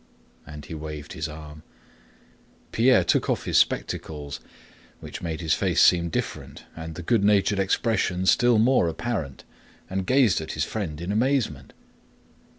and he waved his arm. Pierre took off his spectacles, which made his face seem different and the good natured expression still more apparent, and gazed at his friend in amazement.